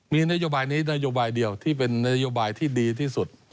มีนโยบายนี้นโยบายเดียวที่เป็นนโยบายที่ดีที่สุด